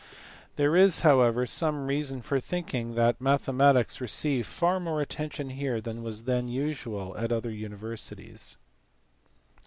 There is however some reason for thinking that mathematics received far more attention here than was then usual at other universities.